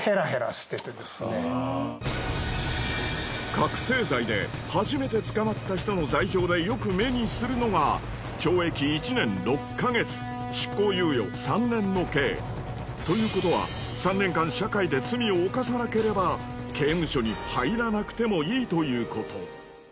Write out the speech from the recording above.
覚せい剤で初めて捕まった人の罪状でよく目にするのがということは３年間社会で罪を犯さなければ刑務所に入らなくてもいいということ。